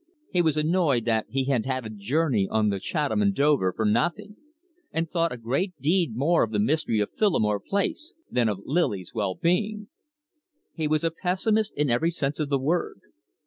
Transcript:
He was annoyed that he had had a journey on the Chatham and Dover for nothing, and thought a great deed more of the mystery of Phillimore Place than of Lily's well being. He was a pessimist in every sense of the word.